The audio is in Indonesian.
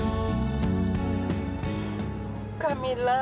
kenapa mungkin ditawa